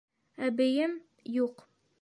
Әбейем... юҡ.